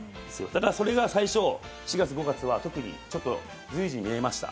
だから、それが最初４月、５月は特にちょっと随時に見えました。